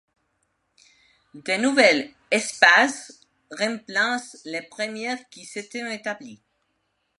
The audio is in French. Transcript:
De nouvelles espèces remplacent les premières qui s'étaient établies.